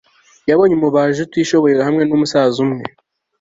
yabonye umubaji utishoboye hamwe numusaza umwe